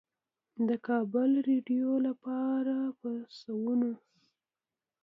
د کابل رېډيؤ دپاره پۀ سوونو